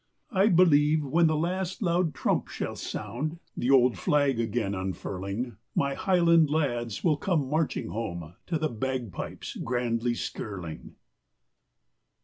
I believe when the last loud trump shall sound, The old flag again unfurling, My highland lads will come marching home To the bagpipes grandly skirling.